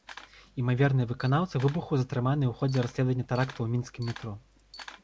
Імаверныя выканаўцы выбуху затрыманыя ў ходзе расследавання тэракту ў мінскім метро.